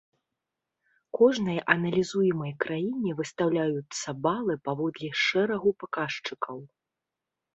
Кожнай аналізуемай краіне выстаўляюцца балы паводле шэрагу паказчыкаў.